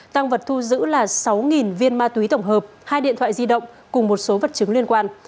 tăng vật thu giữ là sáu viên ma túy tổng hợp hai điện thoại di động cùng một số vật chứng liên quan